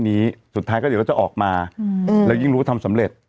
สุดท้ายก็เดี๋ยวก็จะออกมาแล้วยิ่งรู้ว่าทำสำเร็จ